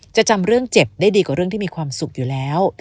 จำเรื่องเจ็บได้ดีกว่าเรื่องที่มีความสุขอยู่แล้ว